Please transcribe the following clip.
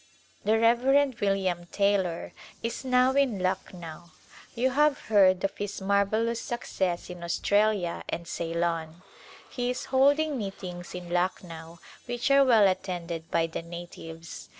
The Rev. William Taylor is now in Lucknow. You have heard of his marvellous success in Australia and Ceylon. He is holding meetings in Lucknow which are well attended by the natives.